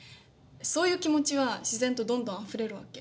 そういう気持ちはしぜんとどんどんあふれるわけ。